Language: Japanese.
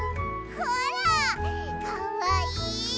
ほらかわいい！